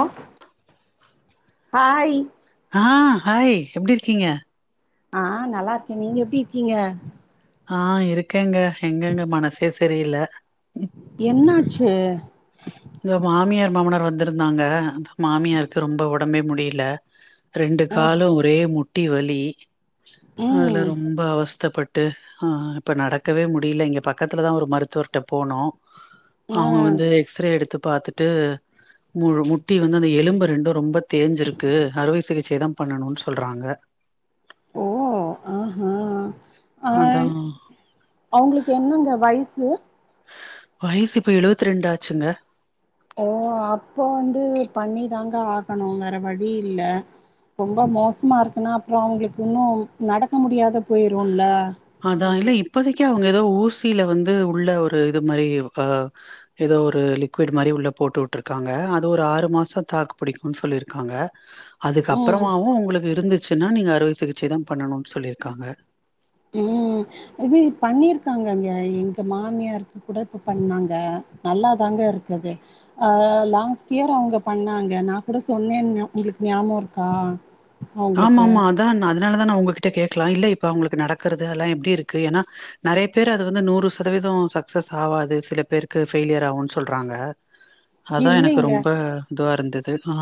ஆ hi ஆ hi எப்டி இருக்கீங்க ஆ நல்லா இருக்கே நீங்க எப்டி இக்கீங்க ஹா இருக்கேங்க எங்கங்க மனசே செரியில்ல என்னாச்சு இந்த மாமியார், மாமனார் வந்திருந்தாங்க அதா மாமியாருக்கு ரொம்ப ஒடம்பே முடியில ரெண்டு காலு ஒரே முட் டிவலி ம் அதுல ம் ரொம்ப அவஸ்தப்பட் ட்டு ஆ இப்போ நடக்கவே முடில இங்க பக்கத்துலதா ஒரு மருத்துவர்ட்ட போனோ ஆ அவுங்க வந்து எக்ஸ்ரே எடுத்திப் பாத்திட்டு முழு முட்டி வந்து அந்த எலும்பு ரெண்டு ரொம்ப தேஞ்சிருக்கு அறுவை சிகிச்சை தா பண்ணணு சொல்றாங்க ஓ ஆ ஹா அ அதா அவ்ங்ளுக்கு என்னங்க வய்ஸ் து வயசு இப்ப எழுவத் ரெண்டு ஆச்சுங்க ஓ அப்போ வந்து பண்ணி தாங்க ஆகணு வேற வழி இல்ல ரொம்ப மோசமா இருக்குன்னா அப்புற அவ்ங்ளுக்கு இன்னு நடக்க முடியாத போய்ரூல அதா இல்ல இப்பதைக்கு அவுங்க ஏதோ ஊசியில வந்து உள்ள ஒரு இது மாரி ஆ ஏதோ ஒரு லிக்விட் மாரி உள்ள போட்டு உட்டுருக்காங்க அது ஒரு ஆறு மாசோ தாக்கு புடிக்கூன் சொல்லிருக்காங்க அதுக்கு ம் அப்றமாவூ உங்ளுக்கு இருந்து சன்னா நீங்க அறுவ சிகிச்சை தா பண்ணணூனு சொல்லிருக்காங்க உம் இது பண்ணிருக்காங்கங்க எங்க மாமியாருக்கு கூட இப்ப பண்ணாங்க நல்லாதாங்க இருக்குது அ லாஸ்ட் இயர் அவங்க பண்ணாங்க நா கூட சொன்னேன்னு உங்ளுக்கு ஞாபோ இருக்கா ஆமா அவங்களுக்கு ஆமா அதான் அது அதனாலதா நா உங்ககிட்ட கேக்கலா இல்ல இப்போ அவுங்ளுக்கு நடக்றது அதெல்லா எப்டி இருக்கு ஏன்னா நெறைய பேர் அது வந்து நூறு சதவீதோ சக்சஸ் ஆவாது சில பேருக்கு ஃபெய்லியர் ஆகுன் சொல்றாங்க அதா இல்லைங்க எனக்கு ரொம்ப இதுவா இருந்துது ஆ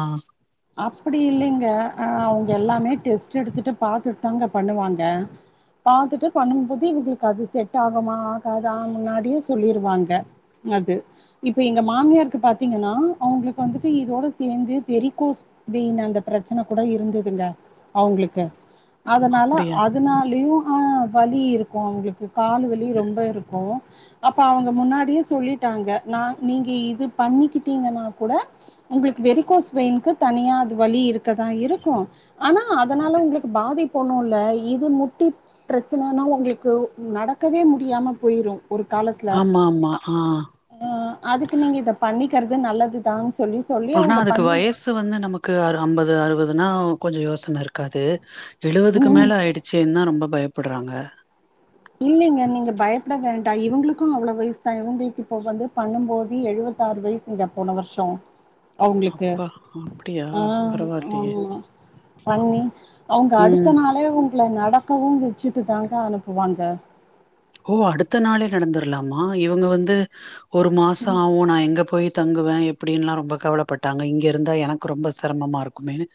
அப்டி இல்லைங்க அ அவுங்க எல்லாமே டெஸ்ட் எடுத்திட்டு பாத்துட் தாங்க பண்ணுவாங்க பாத்திட்டு பண்ணுபோது உங்ளுக்கு அது செட் ஆகமா ஆகாதா முன்னாடியே சொல்லிருவாங்க அது இப்ப எங்க மாமியாருக்கு பாத்தீங்கன்னா அவங்ளுக்கு வந்திட்டு இதோட சேந்து வெறிக்கோஸ் வீன் அந்த பிரச்சன கூட இருந்துதுங்க அவங்ளுக்கு அதனால அப்படியா? அதனாலியு ஆ வலி இருக்கு அவங்ளுக்கு கால் வலி ரொம்ப இருக்கும் அப்ப அவுங்க முன்னாடியே சொல்லிட்டாங்க ந நீங்க இது பண்ணிக்கிட்டீங்கனா கூட உங்ளுக்கு வெறிகோஸ் வெயின்கு தனியா அது வழி இருக்கதா இருக்கும் ஆனா அதனால உங்ளுக்கு பாதிப்பொன்னுல்ல இ இது முட்டி பிரச்சனைனா உங்ளுக்கு நடக்கவே முடியாம போயிரு ஆமா ஆமா ஆ ஆ அதுக்கு நீங்க இத பண்ணிக்றது நல்லதுதா ஆனா அதுக்கு வயசு வந்து நமக் க்கு அ அம்பது அறுவதுன்னா கொஞ்ச யோசன இருக்காது எழுவதுக்கு ம் மேல ஆயிடுசே ரொம்ப பயப் ப்பட்றாங்க இல்லைங்க நீங்க பயப்பட வேண்டா இவுங்ளுக்கு அவ்லோ வயசு தா இவங்குல்கு இப்போ வந்து பன்னுபோது எழுவத்தாறு வயசுங்க போன வர்சொ அவங்ளுக்கு அப்பா அப்டியா ஆ ஆ பரவாயில்லையே பண்ணி அவுங்க அடுத்த ம் நாளே உங்க நடக்கவும் வச்சுட்டு தாங்க அனுப்புவாங்க [unintelligible] ஓ அடுத்த நாளே நடந்துரலாமா இவங்க வந்து ஒரு மாசம் ஆவும் நான் எங்கே போயி தங்குவேன் எப்படின்லாம் ரொம்ப கவலைப்பட்டாங்க இங்க இருந்தா எனக்கு ரொம்ப சிரமமா இருக்குமேன்னு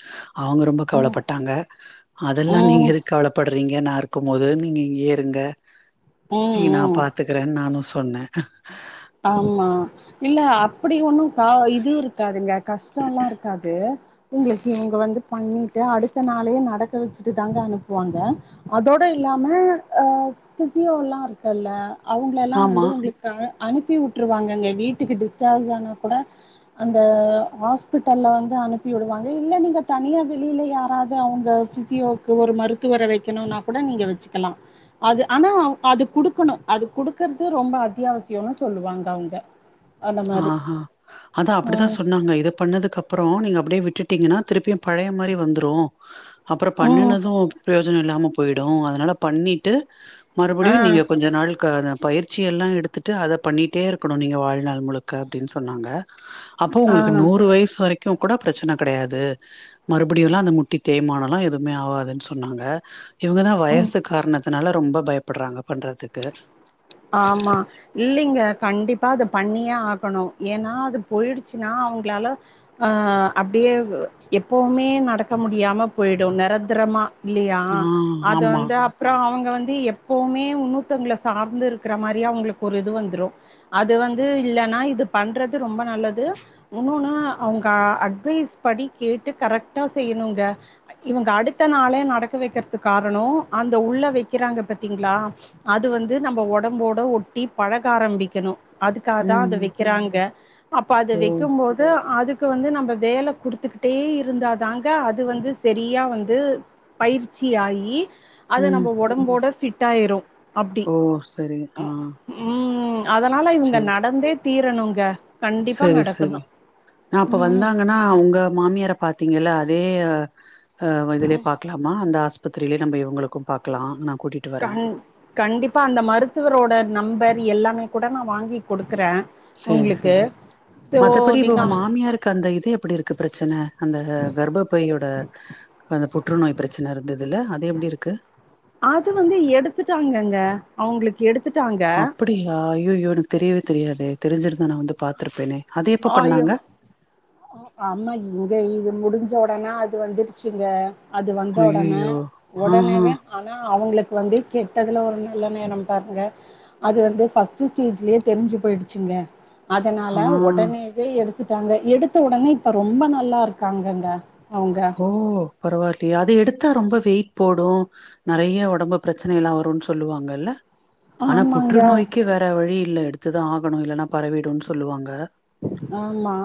அவங்க ரொம்ப கவலைப்பட்டாங்க அதெல்லா நீங்க ம் எதுக்கு கவலைப்படு நீங்க நான் இருக்கும் போது நீங்க இங்கயே இருங்க ம் நீ நான் ம் பாத்துக்கறேன் நானும் சொன் சொன்னேன் ஆமா இல்ல அப்படி ஒண்ணும் கா இது இருக்காதுங்க கஷ்டலா இருக்காது உங்களுக்கு இங்க வந்து பண்ணிட்டு அடுத்த நாளையே நடக்க வச்சுட்டு தாங்க அனுப்புவாங்க அதோட இல்லாம ஆ பிசியோலா இருக்குல்ல அவங்களல்லாம் ஆமா வந்து உங்களுக்கு அனுப்பி உட்ருவாங்க வீட்டுக்கு டிஸ்ஸார்ஜ் ஆனா கூட அந்த ஹாஸ்பிட்டல்ல வந்து அனுப்பி விடுவாங்க இல்ல நீங்க தனியா வெளியில யாராவது அவங்க பிசியோக்கு ஒரு மருத்துவரை வைக்கணும்னா கூட நீங்க வச்சுக்கலாம் அது ஆனா அது கொடுக்கணும் அது குடுக்கறது ரொம்ப அத்தியாவசிய [unintelligible] சொல்லுவாங்க அவங்க மாரி ஆஹ்ஹ அதான் அப்படித்தான் சொன்னாங்க இது பண்ணதுக்கு அப்புறம் நீங்க டே விட்டுட்டீங்கன்னா திருப்பியும் பழைய மாரி வந்துரும் அப்புறம் ம் பண்ணனதும் ப்ரோச் யோஜன இல்லாம போயிடும் அதனால பண்ணிட்டு ஆ மறுபடியும் நீங்க கொஞ்ச நாள் ப பயிற்சி எல்லாம் எடுத்துட்டு அதை பண்ணிட்டே இருக்கணும் நீங்க வாழ் நாள் முழுக்க அப்டின்னு சொன்னாங்க அப்போ ஆ உங்களுக்கு நூறு வயசு வரைக் க்கியூ கூட பிரச்சன கிடையாது மறுபடியுனா அந்த முட்டி தேய்மானல்லா எதுவுமே ஆவாதுனு சொன்னாங்க இவங்க தா ம் வயசு காரணத்தினால ரொம்ப பயப்படுறாங்க பண்றதுக்கு ஆமா இல்லைங்க கண்டிப்பா அத பண்ணியே ஆகணு ஏன்னா அது போயிடுச்சுன்னா அவங்களால அஹ் அப்டியே எப்பவுமே நடக்க முடியாம போயிடு நெரந்தரமா இல்லையா ஆ அது ஆமா வந்து அப்புறோ அவங்க வந்த ந்து எப்பவுமே உன்னூத்தங்களை சார்ந்து இருக் இருக்றாமாரி அவங்களுக்கு ஒரு இது வந்துரு அது வந்து இல்லன்னா இது பண்றது ரொம்ப நல்லது உன்னொன்னு அவங்க அ அட்வைஸ் படி கேட்டு கரக்டா செய்யணங்க இவங்க அடுத்த நாள நடக்க வைக்கிறது காரணோ அந்த உள்ள வைக்கிறாங்க பாத்தீங்களா அது வந்து நம்ம டம்போட ஒட்டி பழக ஆரம்பிக்கணு அதுக்காக தான் அது ம் வெக்கிறாங்க அப்ப அது ஓ வெக்கும்போது அதுக்கு க்கு வந்து நம்ம வேல கொடுத்துக்கிட்டே இருந்தாதாங்க அது வந்து சரியா வந்து பயிற்சி ஆகி அத ம் நம்ம ஒடம்போட ஃபிட் ட்டாயிரு ஓ செரி ஆஹ் உம் அதனால இவங்க நடந்தே தீரணுங்க கண்டிப்பா செரி செரி நடக்கணு நா அப்ப ம் வந்தாங்கன்னா உங்க மாமியார பாத் த்தீங்களல்ல அதே ஹ் இதுலே பாக்கலாமா அந்த ஹாஸ்பி ஸ்பத்திரிலே நம்ம இவங்களுக்கு பாக்கலாம் நா கூட்டிட்டு வரே கண் கண்டிப்பா அந்த மருத்துவரோட நம்பர் எல்லாமே கூட நா வாங்கிக குடுத்து சரி சரி சோ மத்தபடி இப்போ நீங்க உங்க மாமியாருக்கு அந்த இது எப்டி இருக்கு பிரச்சனை அந்த கர்ப்ப்பையோட அந்த புற்றுநோய் பிரச்சனை இருந்தது ல்ல அது எப்டி இருக்கு அது வந்து எடுத்துட்டாங்கங்க அவங்களுக்கு எடுத்துட்டாங்க அப்டியா ஐயைய்யோ எனக்குத் தெரியவே தெரியாதே தெரிஞ்சிருத நா வந்து பாத்திருப்பேனே அது எப்ப ஐயோ பண்ணாங்க ஆமா இங்க இது முடிஞ்ச உடனா அது வந்துருச்சுங்க அது வந்த உடனே ஐயையோ ஆஹா உடனேவே ஆனா அவங்களுக்கு வந்து கெட்டதுல ஒரு நல்ல நேரம் பாருங்க அது வந்து ஃபர்ஸ்ட் ஸ்டேஜ்லயே தெரிஞ்சு போயிடுச்சுங்க அதனால ஆ உடனேவே எடுத் எடுத்துட்டாங்க எடுத்து உடனே இப்ப ரொம்ப நல்லா இருக்காங்கங்க அவங்க ஓ பரவாயில்லையா அது எடுத்தா ரொம்ப வெயிட் போடும் நிறைய உடம்பு பிரச்சனை எல்லாம் வரும்ன்னனு சொல்லுவாங்கல்ல ஆனா ஆமாங்க புற்றுநோய்க்கு வேற வழி இல்லஎடுத்துதான் ஆகணும் இல்லன்னா பரவிடும்னு சொல்லுவாங்க ஆமா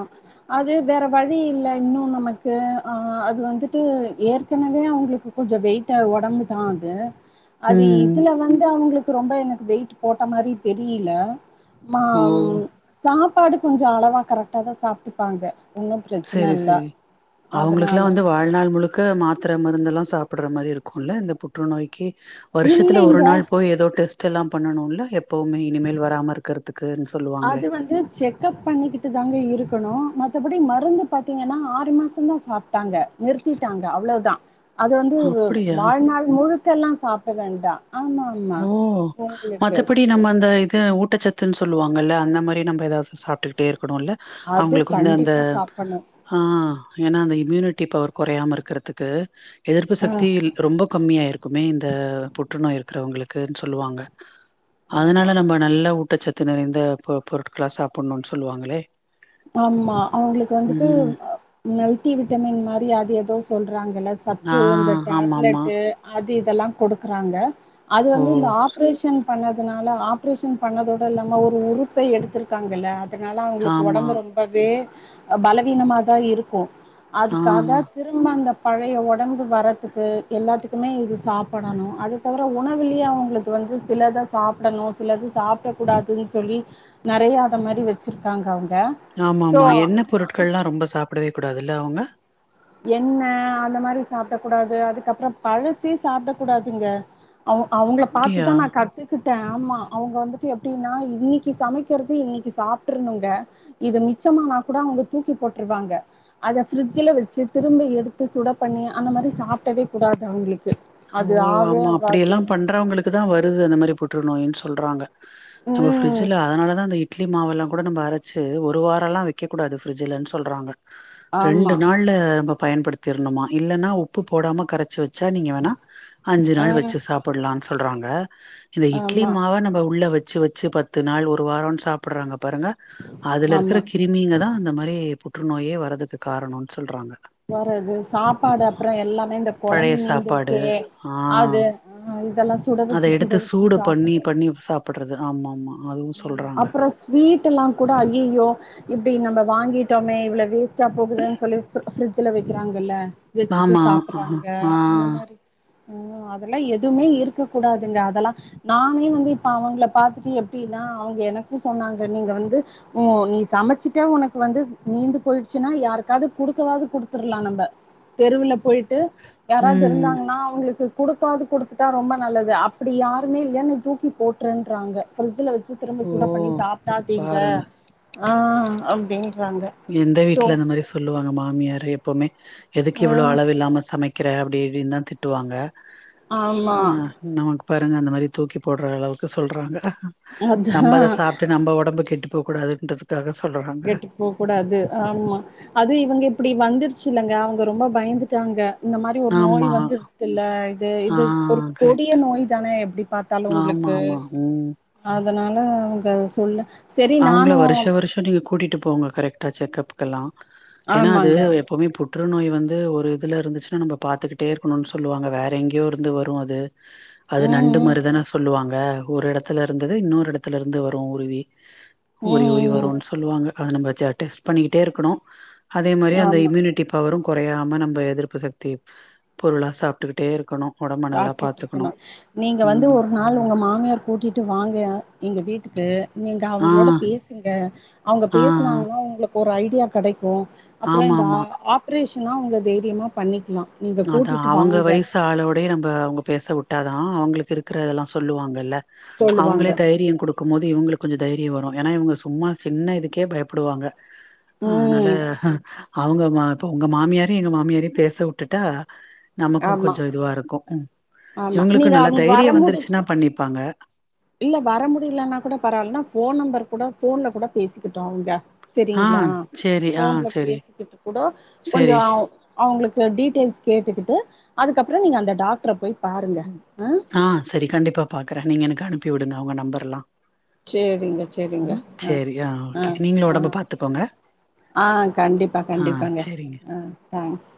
அது வேற வழி இல்லை இன்னும் நமக்கு ஆ அது வந்துட்டு ஏற்கனவே அவங்களுக்கு கொஞ்சம் வெயிட்ட உடம்புதான் அது அது ம் இதுல வந்து அவங்களுக்கு ரொம்ப எனக்கு வெயிட் போட்ட மாரி தெரியல மா ஓ சா கொஞ்சம் அளவா கரெக்டா தான் சாப்ட்டுப்பாங்க ஒன்னு பிரச்சன செரி இல்ல செரி அவங்களுக்குல்லா அதனால வந்து வாழ்நாள் முழுக் க மாத்தர மருந்தெல்லா சாப்ட்ற மாரி இருக்குல இந்த புற்றுநோய்க்கி வருஷத்துல ஒரு இல்லைங்க நாள் போய் ஏதோ டெஸ்ட் தெல்லா பண்ணணுல எப்பவுமே இனிமேல் வராம இருக்கறதுக் அது வந்து செக்கப் பண்ணிக்கிட்டு தாங்க இருக்கணு மத்தபடி மருந்து பாத்தீங்கன்னா ஆறு மாச தா சாப்ட்டாங்க நிறுத்திட்டாங்க அவ்வளவுதா அது வந்து அப்படியா வாழ்நாள் முழுக்கலா சாப்ட வேண்டா ஆமா ஆமா ஓ உங்களுக்கு மத்தபடி நம்ம அந்த இது ஒ ட்டச்சத்துன்னு சொல்லுவாங்கலா அந்த மாரி நம்ம ஏதாவது சாப்டுட்டே இரு க்கனுல அது அவங்களுக்கு வந்து அந்த கண்டிப்பா சாப்பட்ணு ஆ ஏன்னா அந்த இம்யூனி ட்டி பவர் குறையாம இருக்கிறதுக்கு எதிர்ப்பு ஆ சக்தி இல் ரொம்ப கம்மியாயிருக்குமே இந்த புற்றுநோய் இரு க்கறவங்களுக்குனு சொல்லுவாங்க ஆமா அதனால நம்ம நல்லா ஊட்டச்சத் த நிறைந்த பொ பொருட்களா சாபுட்னோ சொல்லுவாங்களே ஆம்மா அவங்களுக்கு வந்துட்டு ம். மெல்ட்டி விட்டமின் மாரி அது ஏதோ சொல் றாங்கள சத்து ஆ இந்த ஆமாமா. டேப்லெட்டு அது இது இதெல்லா கொடுக்குறாங்க அது ஓ! வந்து இந்த ஆப்ரேஷன் பண்ண ணதுனால ஆப்ரேஷன் பண்ணதோட இல்லாம ஒரு உறுப்பை எடுத்திருக்காங்கல்ல அதுனால அவங்களுக் ஆமா. ஒடம்பு ரொம்பவே அ பலவீனமாதா இருக்கு ஆ அதுக்காக திரும்ப அந்த பழைய ஒடம்பு வரத்துக்கு எல்லாத்துக்குமே இது சாப்படணு அது தவர உணவுலயே அவங்களுக்கு வந்து சிலத சாப்படணு சிலது சாப்டக்கூடாதுன் சொல்லி நெறையா அத மாரி வெச்சுருக்காங்க அவங் ஆமாமா எண்ண பொருட்கள்லா ரொம்ப சாப்டவே கூடாதுல்ல அவங்க எண்ண அந்த மாரி சாப்ட கூடாது அதுக்கப்றம் பழசே சாப்ட கூடாதுங்க அவு அவுங்கள பாத்து அப்படியா? தா நா கத்துக்கிட் டே ஆமா அவங்க வந்துட்டு எப்டின்னா இன்னிக்கி சமைக்கறது இன்னிக்கி சாப்ட்ருனுங்க இது மிச்சமானா கூட அவங்க தூக்கி போட்ருவாங்க அத ஃப்ரிட்ஜ்ஜுல வெச்சு திரும்ப எடுத்து சுட பண்ணி அந்த மாரி சாப்டவே கூடாது அவங்களுக்கு ஓ அது ஆவே ஆமா அப்டி ஆகாது எல்லா பண்றவங்களுக்கு தா வருது அந்த மாரி புற்றுநோயி சொல்றாங்க நம்ம ம் ஃப்ரிட்ஜ்ஜுல அதனால தா அந்த இட்லி மாவெல்லா கூட நம்ம அரச்சு ஒரு வாரல்லா வெக்கக்கூடாது ஃப்ரிட்ஜ்ஜுலன் சொல்றாங்க ரெண்டு ஆமா நாள்ல நம்ம பயன்படுத்திர்னுமா இல்லனா உப்பு போடாம கரச்சு வெச்சா நீங்க அஞ்சு ஆ நாள் வச்சு சாப்பட்லான் சொல்றாங்க இந்த இட்லி ஆமா மாவ நம்ம உள்ள வெ ச்சு வெச்சு பத்து நாள் ஒரு வாரோ சாப்பட்றாங்க பாருங்க அதுல ஆமா இருக்கற கிருமிங்க தா அந்த மாரி பு ற்றுநோயே வரதுக்கு காரணோன் சொல்றாங்க போறது சாப்பாடு அப்பறோ எல்லாமே இந்த கொழம்பு பழைய சாப்பாடு மீந்திருக்கே ஆ அது ம் அத எடுத்து சூடு பண்ணி பண்ணி சாப்பிட்றது ஆமா ஆமா அதுவும் ஆமா சொல்றாங்க அப்பறோ ஸ்வீட் எல்லா கூட ஐயயோ இ ப்படி நம்ம வாங்கிட்டோமே இவ்ளவு வேஸ் டா போகுதுன் சொல்லி [unintelligible] ஃப்ரி ஜ்ஜுல வெக்கிறாங்கல்ல வெச்சுட்டு ஆமா சாப்பட்றாங்க ஆ ஆ அந்த மாரி ம் அதெல்லா எதுவுமே இருக்க கூடாதுங்க அதெல்லா நானே வந்து இப்ப அவங்கள பாத்துட்டு எப் டின்னா அவங்க எனக்கு சொன்னாங்க நீங்க வந்து உ நீ சமச்சிட்டா உனக் வந்து மீந்து போயிருச்சுன்னா யாருக்காவது குடுக்கவாது குடுத்தர்லா நம்ப தெருவுல போய்ட்டு யாராவது ம் இருந்தாங்ன்னா அவுங்களுக்கு குடுத்தாவது குடுத்துட்டா ரொம்ப நல்லது அப்படி யாருமே இல்லன்னு தூக்கி போட்டுருன்றாங்க ஃபிரிஜ்ல வச் சு திரும்ப ஓ சூட பண்ணி சாப்டாதீங்க பாருங்க ஆ அப்டிங் எந்த வீட்ல அந்த மாரி சொல்லுவாங்க மாமியார் எப்போமே எதுக்கு ஆ இவ்ளோ அளவில்லாம சா சமைக்கிற அப்டி இப்பிடின் தா திட்டுவாங்க ஆ ஆமா நமக் பாருங்க அந்த மாரி தூக்கி போடுற அளவுக்கு சொல்றாங்க அதா நம்ம அத சாப்ட்டு நம்ம ஒடம்பு கெட்டு போவ் கூடாதுன்றதுக்காக சொல்றாங்க கெட்டு போவ் கூடாது ஆம்மா அது இவங்க இப்டி வந்துருச்சில்லங்க அவுங்க ரொம்ப பயந்துட்டாங்க. இந்த மாரி ஒரு நோய் ஆமா வந்துட்த்துல இது ஆ இது ஒரு கொடிய கரெக்ட் நோய் தான எப்டி பாத்தாலு ஆமா உங்ளுக்கு ஆமா ம் அந் அதனால அவுங்க அத சொல்ல சரி அவுங்கள நானு வருஷ வருஷோ நீங்க கூட்டிட் ட்டு போங்க கரெட்டா செக்கப்க் கெல்லா ஏனா அது ஆமாங்க எப்பவுமே புட் ற்றுநோய் வந்து ஒரு இதுல இருந்துச்சுனா நம்ம பாத்துக்கிட்டே இருக்குணுனு சொல்லுவாங்க வேற எங்கேயோருந்து வரு அது அது ம் நண்டு ம் மருதன சொல்லுவாங்க ஒரு எடத்துலருந்தது இன்னொரு எடத்துலருந்து வரு உறுவி உறுவி உறுவி ம் வருன் சொல்லுவாங்க அத நம்ப ஜா டெஸ்ட் பண்ணிக்கிட்டே இருக்கணு அதே மாரி அந்த ஆமா இம்யுனிட்டி பவரும் கொறயாம நம்ப எதிர்ப்பு சக்தி பொருளா சாப்ட்டுக்கிட்டே இருக்கணு ஒடம்ப நல்லா பாத்துக்கணு சாப்ட்டுட்ருக்கணு நீங்க வந்து ம் ஒரு நாள் உங்க மாமியார் கூட்டிட்டு வாங்க எங்க வீட்டுக்கு நீங்க ஆ அவுங்களோட பேசுங்க அவுங்க ஆ ஆ பேச்னாங்ன்னா உங்ளுக் ஒரு ஐடியா கெடைக்கு. அப்றோ ஆமா இந்த ஆ ஆமா ஆப்ரேஷ் னா உங்க தெய்ரியமா பண்ணிக்கலா நீங்க அது கூட்டிட்டு அவுங்க வாங்க வயசு ஆளோடே நம்ம அவுங் பேச உட்டாதான் அவுங்ளுக் இருக்கிறதெல்லாம் சொல்லுவாங்கல்ல சொல்லுவாங்க அவுங்ளே தைரியம் குடுக்கும் போது இவங்ளுக் கொஞ்ச தைரியம் வரும் ஏன்னா இவுங்க சும்மா சின்ன இதுக்கே பயப்படுவாங்க ஆனால ம் அவுங்க மா ப உங்க மாமியாரியும் எங்க மாமியாரியும் பேசவுட் உட்டுட்டா நமக்கும் ஆமா கொஞ்சோ இதுவாருக்கும் ம் ஆமா இவ்ங்ளுக்கு நீங்க நல்லா அவங்க வர தைரியம் முடி வந்துருச்சுன்னா பண்ணிப்பாங்க இல்ல வர முடிலன்னா கூட பரவால் ன்னா போன் நம்பர் கூட போன்ல கூட பேசிக்கிட்டோம் அவுங்க ஆ செரிங்களா சேரி ஆ ஃபோன்ல சேரி பேசிக்கிட்டு குடோ கொஞ்சோ சேரி அவ் அவங்ளுக்கு டீட்டெய்ல்ஸ் கேட்டுக்குட்டு அதுக்கப்புறம் நீங்க அந்த டாக்டர போய்ப் ம் ஹா செரி கண்டிப்பா பாக்றேன் நீங்க எனக்கு அனுப் ப்பி உடுங்க அவுங்க நம்பர்ரெல்லாம் சேரிங்க சேரிங்க ஆ சேரி ஆ ஓகே நீங்களு ஆ ஒடம்ப பாத்துக்கோங்க ஹான் கண்டிப்பா ஆ கண்டிப்பாங்க சேரிங்க ஆ தாங்க்ஸ்